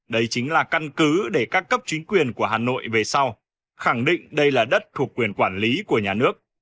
đây chính là căn cứ để các cấp chính quyền của hà nội về sau khẳng định đây là đất thuộc quyền quản lý của nhà nước